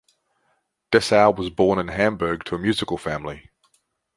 Dessau was born in Hamburg into a musical family.